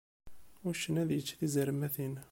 Uccen ad yečč tizermatin.